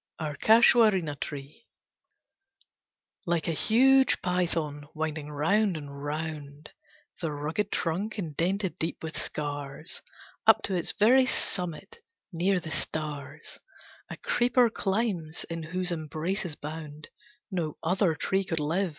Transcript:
OUR CASUARINA TREE. Like a huge Python, winding round and round The rugged trunk, indented deep with scars Up to its very summit near the stars, A creeper climbs, in whose embraces bound No other tree could live.